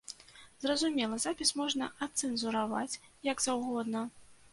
Зразумела, запіс можна адцэнзураваць як заўгодна.